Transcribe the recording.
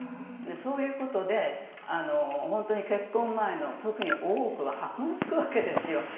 そういうことで本当に結婚前の特に大奥は箔が付くわけですよ。